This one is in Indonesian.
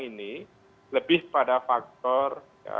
ini lebih pada faktor